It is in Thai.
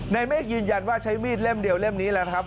เมฆยืนยันว่าใช้มีดเล่มเดียวเล่มนี้แหละครับ